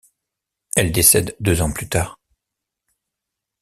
Elle décède deux ans plus tard.